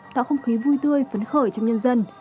tạo không khí vui tươi phấn khởi trong nhân dân